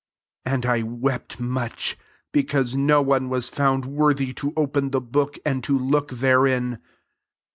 4 And I wept much because no one was found worthy to open the book, and to look therein.